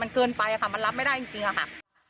มันเกินไปอ่ะค่ะมันรับไม่ได้จริงค่ะ